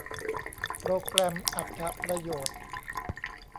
โปรแกรมอรรถประโยชน์